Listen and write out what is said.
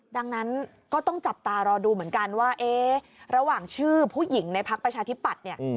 ดังนั้นก็ต้องจับตารอดูเหมือนกันว่าเอ๊ะระหว่างชื่อผู้หญิงในพักประชาธิปัตย์เนี่ย